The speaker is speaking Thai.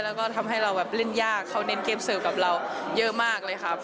แล้วก็ทำให้เราแบบเล่นยากเขาเน้นเกมเสิร์ฟกับเราเยอะมากเลยครับ